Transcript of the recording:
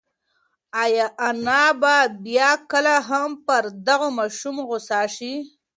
ایا انا به بیا کله هم پر دغه ماشوم غوسه شي؟